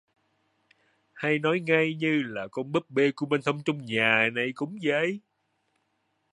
hay nói ngay như là con búp bê kumanthong trong nhà này cũng vậy